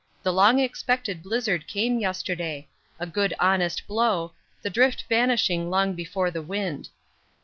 The long expected blizzard came yesterday a good honest blow, the drift vanishing long before the wind.